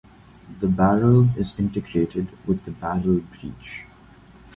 The barrel is integrated with the barrel breech.